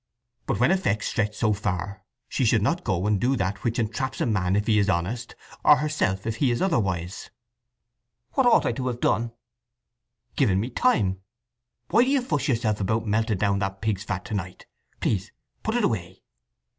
But when effects stretch so far she should not go and do that which entraps a man if he is honest, or herself if he is otherwise." "What ought I to have done?" "Given me time… Why do you fuss yourself about melting down that pig's fat to night? Please put it away!"